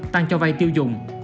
tăng cho vay tiêu dùng